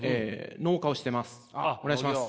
農家をしてます。